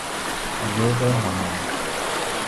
ذوق هنری